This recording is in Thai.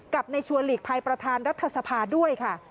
กับในชัวร์หลีกภัยประธานรัฐสภาด้วยค่ะ